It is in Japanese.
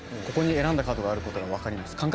ここに選んだカードがあることが分かります。